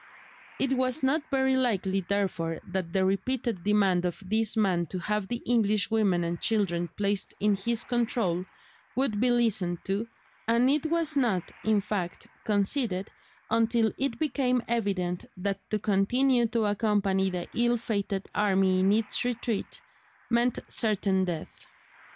It was not very likely therefore that the repeated demand of this man to have the English women and children placed in his control would be listened to, and it was not, in fact, conceded until it became evident that to continue to accompany the ill fated army in its retreat meant certain death.